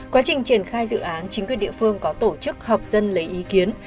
quá trình triển khai dự án chính quyền địa phương có tổ chức họp dân lấy ý kiến